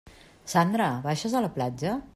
Sandra, baixes a la platja?